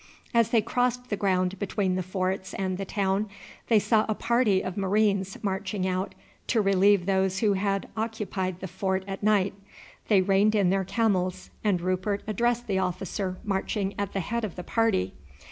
As they crossed the ground between the forts and the town they saw a party of marines marching out to relieve those who had occupied the fort at night. They reined in their camels, and Rupert addressed the officer marching at the head of the party.